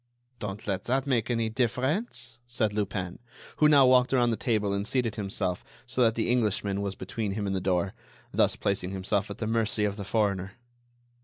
"Don't let that make any difference," said Lupin, who now walked around the table and seated himself so that the Englishman was between him and the door—thus placing himself at the mercy of the foreigner.